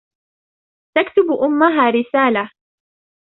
تكتب أمها رسالةً.